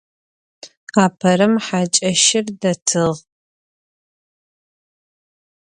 Aperem haç'eşır detığ.